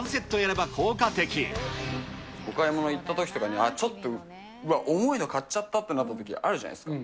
お買い物行ったときとかに、ああ、ちょっと重いの買っちゃったってなったとき、あるじゃないですか。